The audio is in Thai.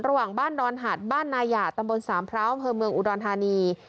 ระหว่างบ้านดอนหัดบ้านนายาตำบลสามพร้าวอำเภอเมืองอุดรธานี